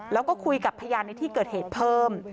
แล้วก็คุยกับพยานในที่เกิดเหตุเพิ่ม